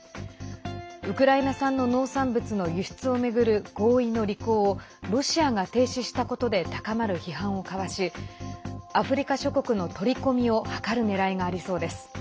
ウクライナ産の農産物の輸出を巡る合意の履行をロシアが停止したことで高まる批判をかわしアフリカ諸国の取り込みを図るねらいがありそうです。